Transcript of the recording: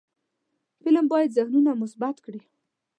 فلم باید ذهنونه مثبت کړي